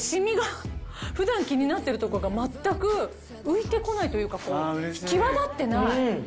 普段気になってるところが全く浮いてこないというかこう際立ってない。